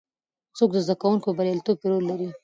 څوک د زده کوونکو په بریالیتوب کې رول لري؟